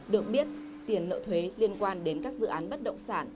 được biết tiền nợ thuế liên quan đến các dự án bất động sản